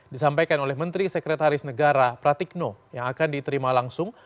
disampaikan oleh menteri sekretaris negara pratikno yang akan diterima langsung